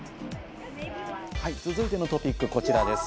続いてのトピック、こちらです。